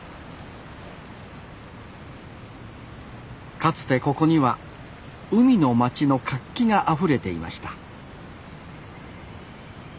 かつてここには海の町の活気があふれていました